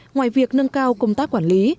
ngoài việc nâng cao công tác quản lý